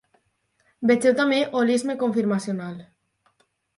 Vegeu també holisme confirmacional.